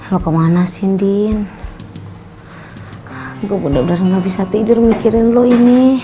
lo kemana sih diin gue bener bener nggak bisa tidur mikirin lo ini